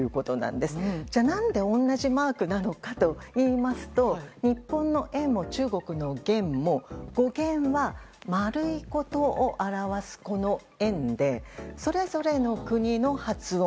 では、なぜ同じマークなのかといいますと日本の円も中国の元も語源は丸いことを表す「圓」でそれぞれの国の発音